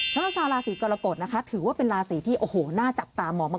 ชาวราศีกรกฎถือว่าเป็นราศีที่น่าจับตามองมาก